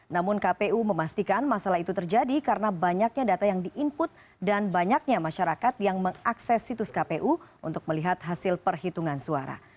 namun kpu memastikan masalah itu terjadi karena banyaknya data yang di input dan banyaknya masyarakat yang mengakses situs kpu untuk melihat hasil perhitungan suara